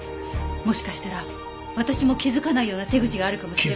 もしかしたら私も気づかないような手口があるかもしれません。